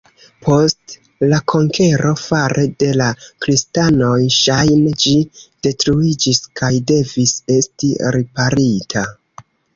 Post la konkero fare de la kristanoj ŝajne ĝi detruiĝis kaj devis esti riparita.